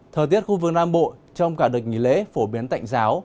thời tiết khu vực nam bộ trong cả đợt nghỉ lễ phổ biến tạnh giáo